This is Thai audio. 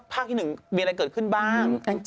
ภาคที่หนึ่งมีอะไรเกิดขึ้นบ้าง